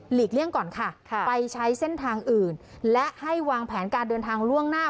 เลี่ยงก่อนค่ะไปใช้เส้นทางอื่นและให้วางแผนการเดินทางล่วงหน้า